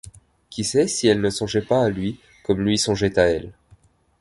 Qui sait si elle ne songeait pas à lui comme lui songeait à elle?